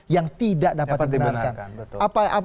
yang tidak dapat dibenarkan